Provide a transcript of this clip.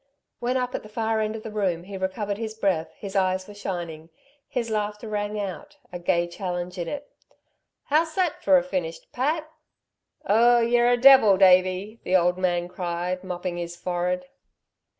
When up at the far end of the room he recovered his breath, his eyes were shining. His laughter rang out, a gay challenge in it: "How's that for a finish, Pat?" "Oh, ye're a deevil, Davey!" the old man cried, mopping his forehead.